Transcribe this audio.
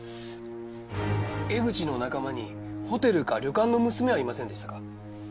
江口の仲間にホテルか旅館の娘はいませんでしたか？